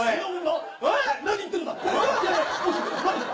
何言ってるんだ！